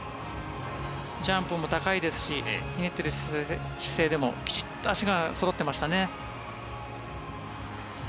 ジャンプも高いですしひねっている姿勢でも、きちっと足がそろっていましたね。